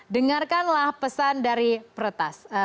dengarkanlah pesan dari peretas